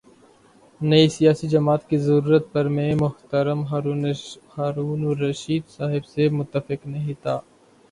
نئی سیاسی جماعت کی ضرورت پر میں محترم ہارون الرشید صاحب سے متفق نہیں تھا۔